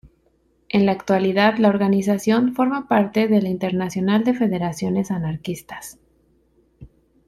En la actualidad la organización forma parte de la Internacional de Federaciones Anarquistas.